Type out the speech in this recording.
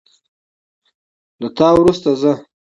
له تا وروسته زه